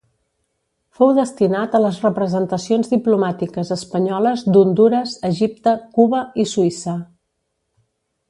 Fou destinat a les representacions diplomàtiques espanyoles d'Hondures, Egipte, Cuba i Suïssa.